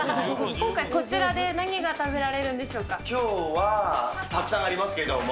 今回、こちらで何が食べられきょうは、たくさんありますけども。